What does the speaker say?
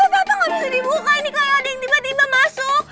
kok gak apa apa gak bisa dibuka ini kayak ada yang tiba tiba masuk